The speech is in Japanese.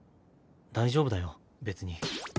大丈夫だよ別に。